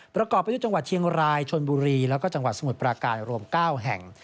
ประกอบไปด้วยจังหวัดเชียงรายชนบุรีแล้วก็จังหวัดสมุทรปราการรวม๙แห่ง